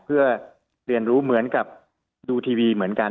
เพื่อเรียนรู้เหมือนกับดูทีวีเหมือนกัน